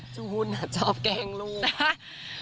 เจ้าหุ้นน่ะชอบแกล้งลูก